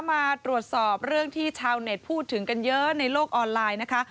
มาตรวจสอบเรื่องที่ชาวเน็ตพูดถึงกันเยอะในโลกออนไลน์นะคะ